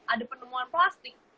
ada penemuan plastik